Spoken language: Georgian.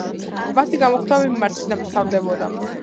მათი გამოხდომები მარცხით მთავრდებოდა.